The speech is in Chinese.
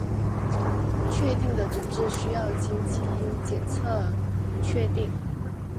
确定的诊治需要经基因检测确定。